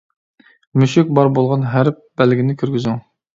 «مۈشۈك» بار بولغان ھەرپ بەلگىنى كىرگۈزۈڭ.